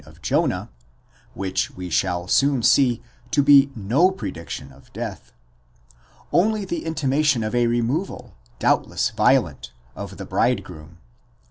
of Jonah (which we shall soon see to be no prediction of death), only the inti ' mation of a removal (doubtless violent) of the bridegroom.